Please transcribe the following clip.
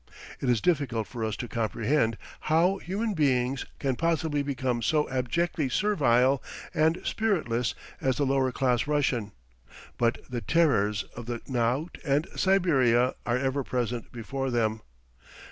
It is difficult for us to comprehend How human beings can possibly become so abjectly servile and spiritless as the lower class Russians. But the terrors of the knout and Siberia are ever present before them.